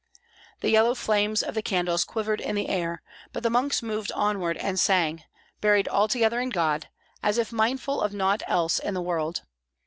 The yellow flames of the candles quivered in the air; but the monks moved onward and sang, buried altogether in God, as if mindful of naught else in the world.